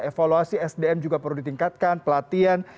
evaluasi sdm juga perlu ditingkatkan pelatihan